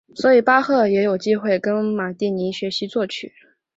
所以巴赫也有机会跟马蒂尼学习作曲。